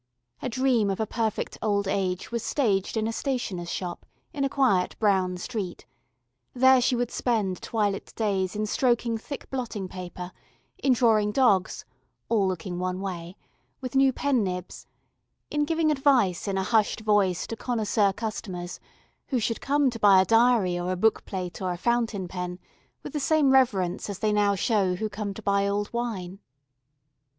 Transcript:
Her dream of a perfect old age was staged in a stationer's shop in a quiet brown street; there she would spend twilit days in stroking thick blotting paper, in drawing dogs all looking one way with new pen nibs, in giving advice in a hushed voice to connoisseur customers, who should come to buy a diary or a book plate or a fountain pen with the same reverence as they now show who come to buy old wine.